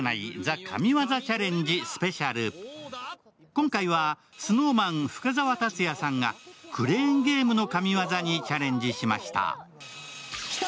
今回はＳｎｏｗＭａｎ・深澤辰哉さんがクレーンゲームの神業にチャレンジしました。